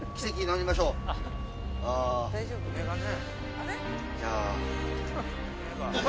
あれ？